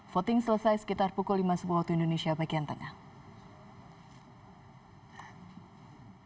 voting selesai sekitar pukul lima sepuluh waktu indonesia bagian tengah